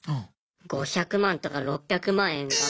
５００万とか６００万円がえ！